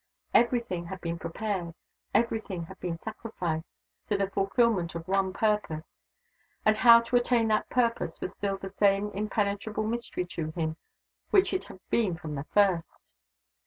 Every thing had been prepared, every thing had been sacrificed, to the fulfillment of one purpose and how to attain that purpose was still the same impenetrable mystery to him which it had been from the first!